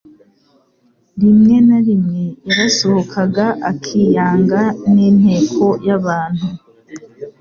Rimwe na rimwe yarasohokaga akiyanga n'inteko y'abantu.